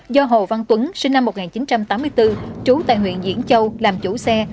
do hồ văn tuấn sinh năm một nghìn chín trăm tám mươi bốn trú tại huyện diễn châu làm chủ xe